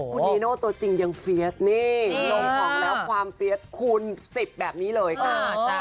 คุณนีโน่ตัวจริงยังเฟียสนี่ลงของแล้วความเฟียสคูณ๑๐แบบนี้เลยค่ะ